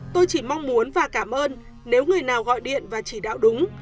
tôi chỉ mong muốn và cảm ơn nếu người nào gọi điện và chỉ đạo đúng